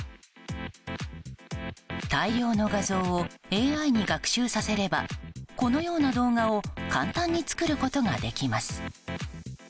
大量の画像をＡＩに学習させればこのような動画を簡単に作ることができます。